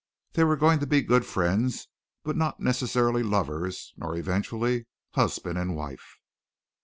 They were going to be good friends, but not necessarily lovers nor eventually husband and wife.